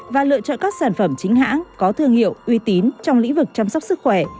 và lựa chọn các sản phẩm chính hãng có thương hiệu uy tín trong lĩnh vực chăm sóc sức khỏe